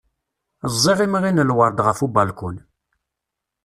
Ẓẓiɣ imɣi n lwerd ɣef ubalkun.